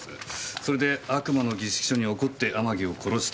それで『悪魔の儀式書』に怒って天城を殺した。